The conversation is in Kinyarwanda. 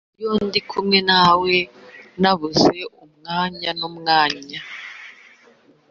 iyo ndi kumwe nawe nabuze umwanya n'umwanya,